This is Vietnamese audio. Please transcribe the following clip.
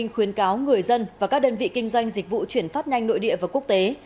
khuyến cáo người dân và các đơn vị kinh doanh dịch vụ chuyển phát nhanh nội địa và quốc tế